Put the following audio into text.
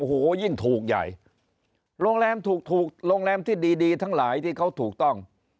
โอ้โหยิ่งถูกใหญ่โรงแรมถูกถูกโรงแรมที่ดีดีทั้งหลายที่เขาถูกต้อง